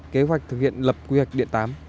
kế hoạch thực hiện lập quy hoạch điện tám